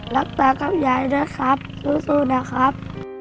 ตากับยายด้วยครับสู้นะครับ